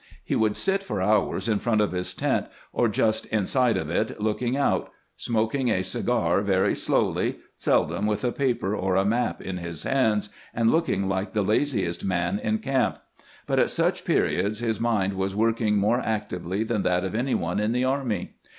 He would sit for hours in front of Ms tent, or just inside of it looking out, smoking a cigar very slowly, seldom with a paper or a map in his hands, and looking like the laziest man in camp. But at such periods his mind was working more actively than that of any one in the army.